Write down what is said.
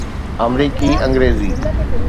آمريڪي انگريزي